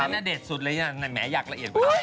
อันนั้นน่าเด็ดสุดเลยน่ะแม้อยากละเอียดไป